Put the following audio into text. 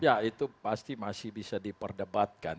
ya itu pasti masih bisa diperdebatkan